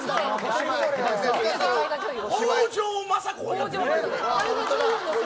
北条政子。